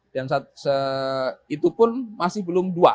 itu pun masih belum dua